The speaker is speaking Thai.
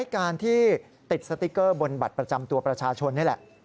การที่ติดสติ๊กเกอร์บนบัตรประจำตัวประชาชนนี่แหละ